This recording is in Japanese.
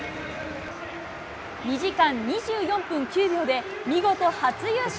２時間２４分９秒で、見事初優勝。